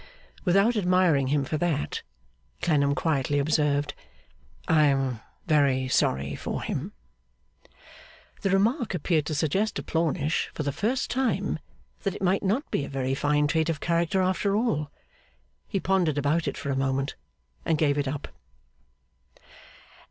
'Without admiring him for that,' Clennam quietly observed, 'I am very sorry for him.' The remark appeared to suggest to Plornish, for the first time, that it might not be a very fine trait of character after all. He pondered about it for a moment, and gave it up.